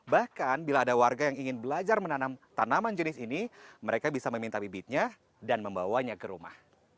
bahkan bila ada warga yang ingin belajar menanam tanaman jenis ini mereka bisa meminta bibitnya dan membawanya ke rumah